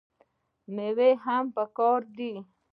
میوې هم پکار دي.